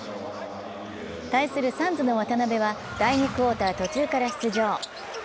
対するサンズの渡邊は第２クオーター途中から出場。